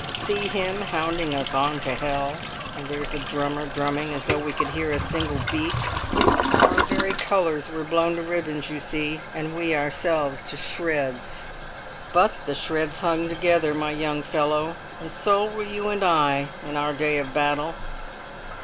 See him hounding us on to hell! And there's a drummer drumming as though we could hear a single beat! Our very colours were blown to ribbons, you see, and we ourselves to shreds; but the shreds hung together, my young fellow, and so will you and I in our day of battle!"